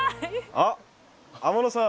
あっ天野さん。